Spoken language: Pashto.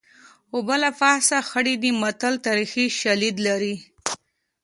اوبه له پاسه خړې دي متل تاریخي شالید لري